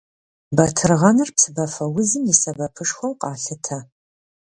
Батыргъэныр псыбафэузым и сэбэпышхуэу къалъытэ.